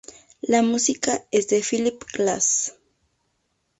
La música es de Philip Glass.